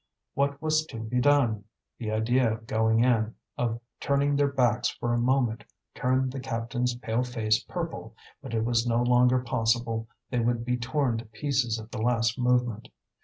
What was to be done? The idea of going in, of turning their backs for a moment turned the captain's pale face purple; but it was no longer possible, they would be torn to pieces at the least movement.